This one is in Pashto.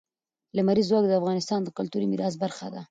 لمریز ځواک د افغانستان د کلتوري میراث برخه ده.